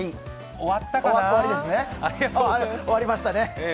終わりましたね。